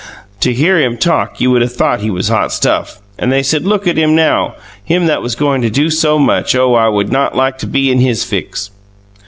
To hear him talk you would thought he was hot stuff and they said Look at him now, him that was going to do so much, Oh I would not like to be in his fix.